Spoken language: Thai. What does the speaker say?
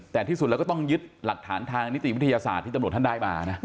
แต่ที่สุดแล้วก็ต้องยึดหลักฐานทางนิติวิทยาศาสตร์ที่ตำรวจท่านได้มานะ